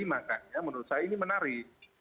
makanya menurut saya ini menarik